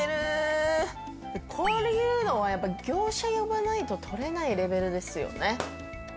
こういうのはやっぱり業者呼ばないと取れないレベルですよね。